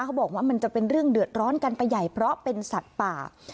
เขาบอกว่ามันจะเป็นเรื่องเดือดร้อนกันไปใหญ่เพราะเป็นสัตว์ป่า